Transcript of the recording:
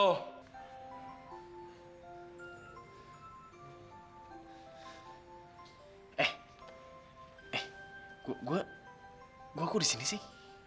eh eh gue gue gue aku di sini sih